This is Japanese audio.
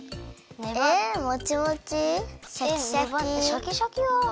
シャキシャキは。